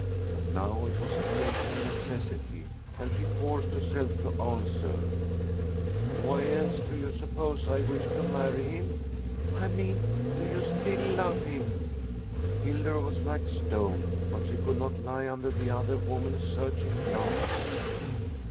But now it was a case of necessity, and she forced herself to answer, "Why else do you suppose I wished to marry him?" "I mean, do you still love him?" Hildur was like stone, but she could not lie under the other woman's searching glance.